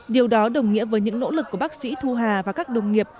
điều đó đồng nghĩa với những nỗ lực của bác sĩ thu hà và các đồng nghiệp